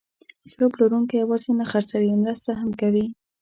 ښه پلورونکی یوازې نه خرڅوي، مرسته هم کوي.